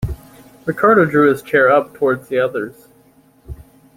Ricardo drew his chair up towards the others.